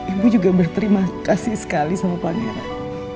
ibu juga berterima kasih sekali sama pangeran